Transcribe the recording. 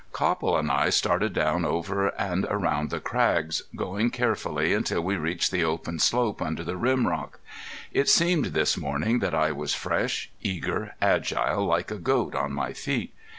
Copple and I started down over and around the crags, going carefully until we reached the open slope under the rim rock. It seemed this morning that I was fresh, eager, agile like a goat on my feet.